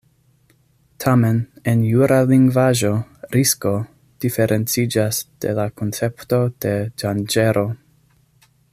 Tamen, en jura lingvaĵo „risko“ diferenciĝas de la koncepto de „danĝero“.